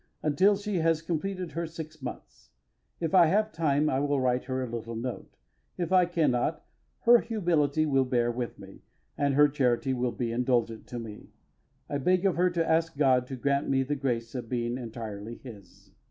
until she has completed her six months. If I have time I will write her a little note; if I cannot, her humility will bear with me, and her charity will be indulgent to me. I beg of her to ask God to grant me the grace of being entirely His.